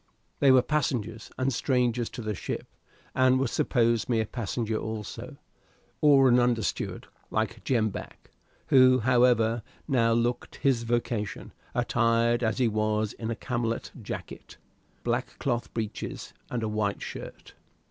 They were passengers, and strangers to the ship, and would suppose me a passenger also, or an under steward, like Jem Back, who, however, now looked his vocation, attired as he was in a camlet jacket, black cloth breeches, and a white shirt.